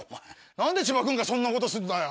何で千葉君がそんなことすんだよ！